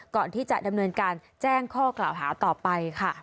ก่อนที่จะดำเนินการแจ้งข้อกล่าวหาต่อไปค่ะ